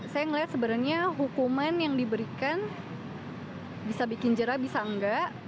saya melihat sebenarnya hukuman yang diberikan bisa bikin jerah bisa enggak